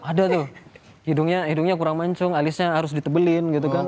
ada tuh hidungnya kurang mancung alisnya harus ditebelin gitu kan